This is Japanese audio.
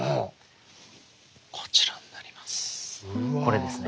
こちらになります。